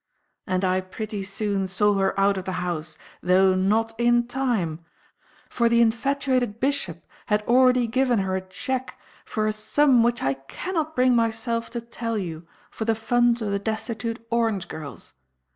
And I pretty soon saw her out of the house, though not in time; for the infatuated Bishop had already given her a cheque for a sum which I cannot bring myself to tell you, for the Funds of the Destitute Orange Girls.